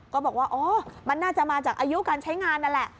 ก็บอกว่าอ๋อมันน่าจะมาจากอายุการใช้งานนั่นแหละ